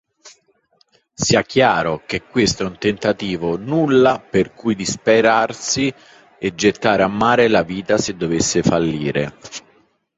Sia chiaro che questo è un tentativo, nulla per cui disperarsi e gettare a mare la vita se dovesse fallire